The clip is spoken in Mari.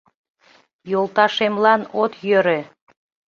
Йолташемлан от йӧрӧ.